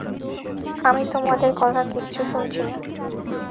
আমি তোমাদের কথা কিচ্ছু শুনছি না!